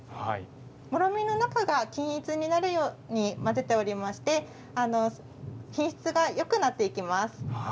もろみの中が均一になるように混ぜておりまして品質がよくなっていきます。